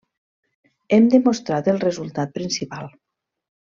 Hem demostrat el resultat principal.